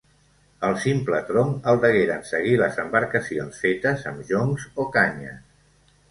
Al simple tronc, el degueren seguir les embarcacions fetes amb joncs o canyes.